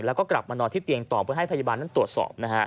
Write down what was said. และก็กลับมานอนที่เตียงต่อเพื่อให้พยาบาลตรวจสอบ